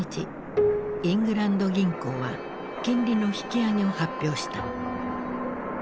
イングランド銀行は金利の引き上げを発表した。